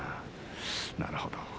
なるほど。